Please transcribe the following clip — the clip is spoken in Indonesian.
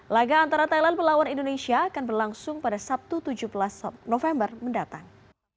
laga antara thailand melawan indonesia akan berlangsung pada sabtu tujuh belas november mendatang